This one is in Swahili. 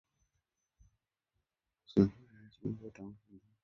Simu yake inaisha moto tangu asubui